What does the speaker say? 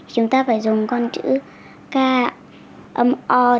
chúng ta phải dùng con chữ k âm o